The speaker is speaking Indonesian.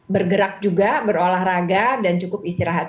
bergerak juga berolahraga dan cukup istirahat